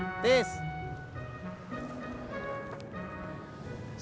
tidak ada apa apa